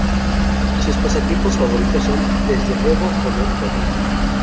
Sus pasatiempos favoritos son, desde luego, comer y dormir.